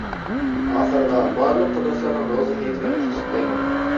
ئاخىرىدا بارلىق تورداشلارنىڭ روزا ھېيتىنى قۇتلۇقلايمەن.